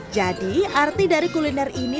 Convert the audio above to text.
jadi arti dari kuliner ini